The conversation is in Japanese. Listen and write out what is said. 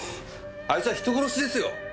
あいつは人殺しですよ！？